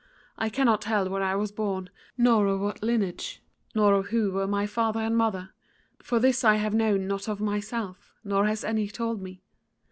I cannot tell where I was born nor of what lineage, nor of who were my father and mother; for this I have known not of myself, nor has any told me.